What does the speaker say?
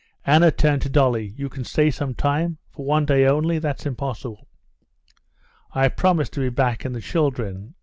Anna turned to Dolly. "You can stay some time? For one day only? That's impossible!" "I promised to be back, and the children...."